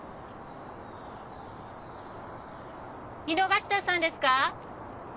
井之頭さんですか？